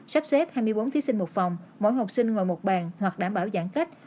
sắp xếp hai mươi bốn thí sinh một phòng mỗi học sinh ngồi một bàn hoặc đảm bảo giãn cách